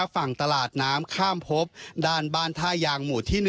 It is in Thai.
ฝั่งตลาดน้ำข้ามพบด้านบ้านท่ายางหมู่ที่๑